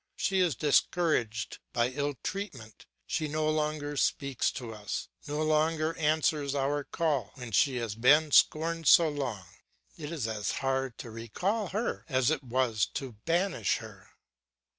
She is discouraged by ill treatment; she no longer speaks to us, no longer answers to our call; when she has been scorned so long, it is as hard to recall her as it was to banish her.